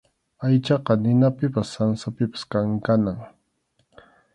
Aychaqa ninapipas sansapipas kankanam.